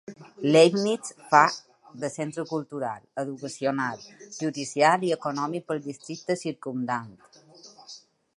Leibnitz fa de centre cultural, educacional, judicial i econòmic pel districte circumdant.